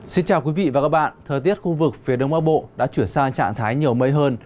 xin chào quý vị và các bạn thời tiết khu vực phía đông bắc bộ đã chuyển sang trạng thái nhiều mây hơn